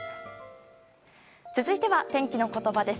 続いては天気のことばです。